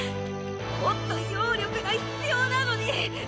もっと妖力が必要なのに。